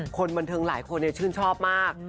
คนบรรเทิงหลายคนเนี่ยชื่นชอบมาก